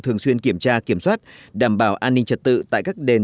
thường xuyên kiểm tra kiểm soát đảm bảo an ninh trật tự tại các đền